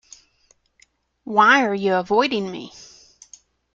Why are you avoiding me?